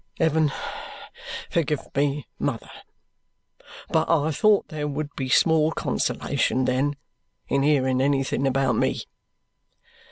"Heaven forgive me, mother, but I thought there would be small consolation then in hearing anything about me.